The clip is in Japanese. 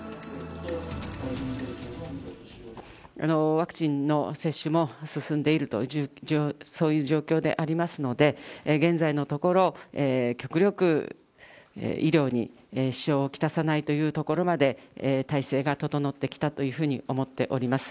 ワクチンの接種も進んでいると、そういう状況でありますので、現在のところ、極力、医療に支障をきたさないというところまで体制が整ってきたというふうに思っております。